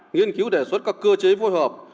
nghiên cứu đề xuất các cơ chế phối hợp